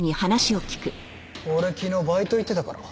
俺昨日バイト行ってたから。